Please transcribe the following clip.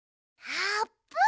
あーぷん！